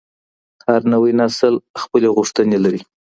هر نوی نسل خپلي غوښتنې لري.